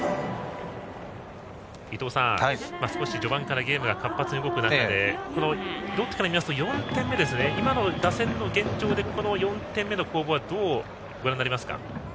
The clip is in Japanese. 伊東さん、少し序盤からゲームが活発に動く中でこのロッテから見ますと今の打線の現状でこの４点目の攻防はどうご覧になりますか？